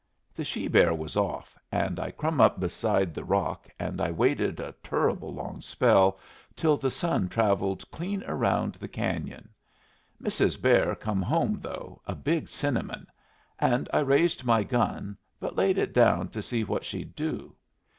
The she bear was off, and I crumb up inside the rock, and I waited a turruble long spell till the sun travelled clean around the canyon. Mrs. Bear come home though, a big cinnamon; and I raised my gun, but laid it down to see what she'd do.